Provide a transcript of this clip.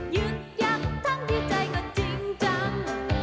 ยึดยักษ์ทั้งที่ใจก็จริงจัง